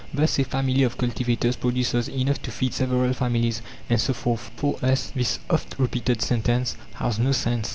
Thus, a family of cultivators produces enough to feed several families, and so forth. For us, this oft repeated sentence has no sense.